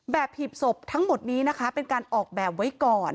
หีบศพทั้งหมดนี้นะคะเป็นการออกแบบไว้ก่อน